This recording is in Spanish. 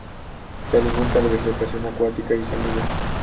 Se alimenta de vegetación acuática, y semillas.